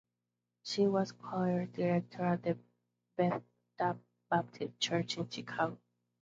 She was choir director at Bethesda Baptist Church in Chicago.